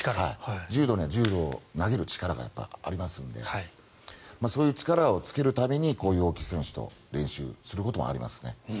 柔道は投げる力がありますのでそういう力をつけるためにこういう大きい選手と練習することもありますね。